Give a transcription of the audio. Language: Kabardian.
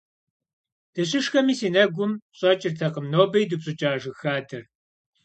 Дыщышхэми си нэгум щӀэкӀыртэкъым нобэ идупщӀыкӀа жыг хадэр.